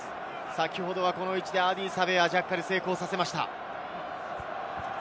先ほどはこの位置でアーディー・サヴェアがジャッカルを成功させました。